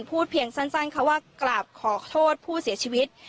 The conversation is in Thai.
พูดเพียงสั้นค่ะว่ากราบขอโทษผู้เสียชีวิต